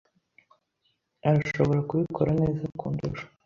Arashobora kubikora neza kundusha.